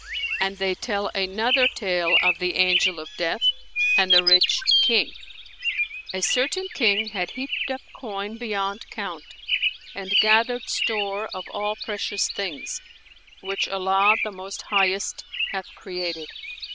And they tell another tale of THE ANGEL OF DEATH AND THE RICH KING. A certain King had heaped up coin beyond count and gathered store of all precious things, which Allah the Most Highest hath created.